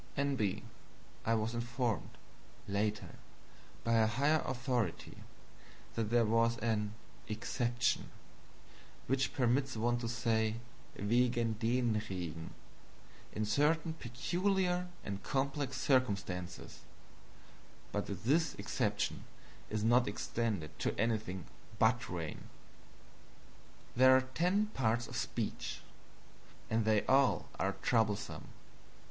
N.B. I was informed, later, by a higher authority, that there was an "exception" which permits one to say "wegen DEN Regen" in certain peculiar and complex circumstances, but that this exception is not extended to anything BUT rain. There are ten parts of speech, and they are all troublesome.